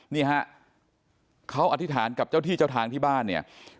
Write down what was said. นี่ฮะเขาอธิษฐานกับเจ้าที่เจ้าทางที่บ้านเนี่ย